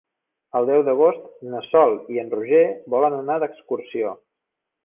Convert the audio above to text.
El deu d'agost na Sol i en Roger volen anar d'excursió.